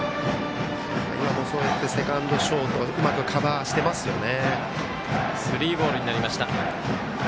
今も、そうやってセカンド、ショートうまくカバーしていますよね。